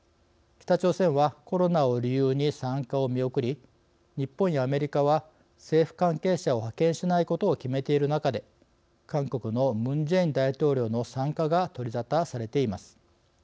北朝鮮は、コロナを理由に参加を見送り日本やアメリカは政府関係者を派遣しないことを決めている中で韓国のムン・ジェイン大統領の参加が取り沙汰されています。